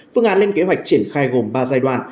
phương án lên kế hoạch triển khai gồm ba giai đoạn